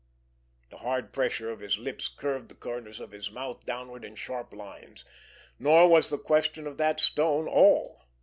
The hard pressure of his lips curved the corners of his mouth downward in sharp lines. Nor was the question of that stone all!